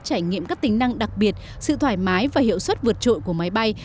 trải nghiệm các tính năng đặc biệt sự thoải mái và hiệu suất vượt trội của máy bay